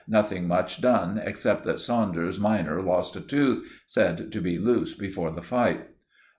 Nothing much done, except that Saunders minor lost a tooth, said to be loose before the fight.